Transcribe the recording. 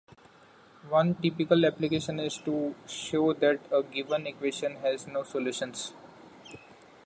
One typical application is to show that a given equation has no solutions.